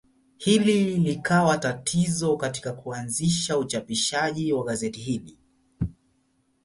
Hili likawa tatizo katika kuanzisha uchapishaji wa gazeti hili.